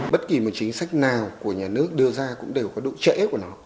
bất kỳ một chính sách nào của nhà nước đưa ra cũng đều có độ trễ của nó